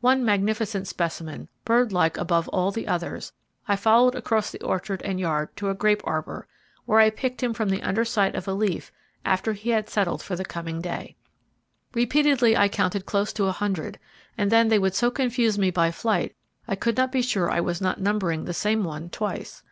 One magnificent specimen, birdlike above all the others, I followed across the orchard and yard to a grape arbour, where I picked him from the under side of a leaf after he had settled for the coming day. Repeatedly I counted close to a hundred, and then they would so confuse me by flight I could not be sure I was not numbering the same one twice.